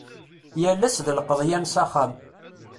Yal ass d lqeḍyan s axxam.